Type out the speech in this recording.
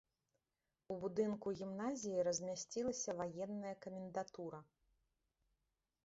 У будынку гімназіі размясцілася ваенная камендатура.